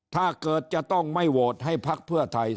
ถ้าเกิดจะต้องไม่โหวตให้พักเพื่อไทย